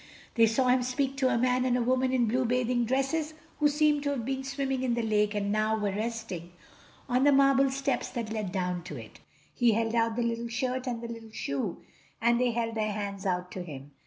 They saw him speak to a man and a woman in blue bathing dresses who seemed to have been swimming in the lake and now were resting on the marble steps that led down to it. He held out the little shirt and the little shoe, and they held their hands out to him.